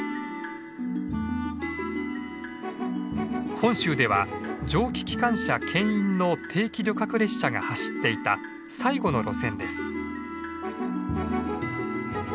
本州では蒸気機関車けん引の定期旅客列車が走っていた最後の路線です。